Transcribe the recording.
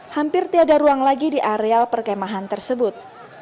hampir tiada ruang lagi di areal perkemahan tersebut